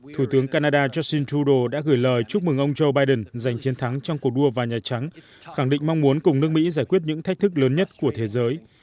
thủ tướng canada justin trudeau đã gửi lời chúc mừng ông joe biden giành chiến thắng trong cuộc đua vào nhà trắng khẳng định mong muốn cùng nước mỹ giải quyết những thách thức lớn nhất của thế giới